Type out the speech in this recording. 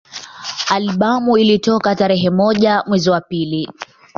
Albamu ilitoka tarehe moja mwezi wa pili